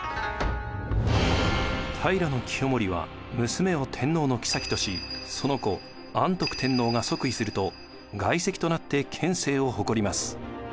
平清盛は娘を天皇のきさきとしその子安徳天皇が即位すると外戚となって権勢を誇ります。